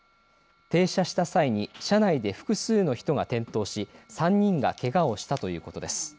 停車した際に車内で複数の人が転倒し３人がけがをしたということです。